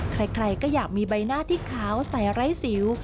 ใครก็อยากมีใบหน้าที่ขาวใส่ไร้สิว